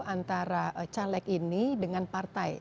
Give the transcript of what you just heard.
antara caleg ini dengan partai